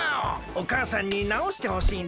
おかあさんになおしてほしいんだが。